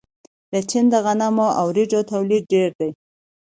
د چین د غنمو او وریجو تولید ډیر دی.